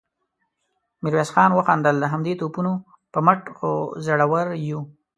ميرويس خان وخندل: د همدې توپونو په مټ خو زړور يو.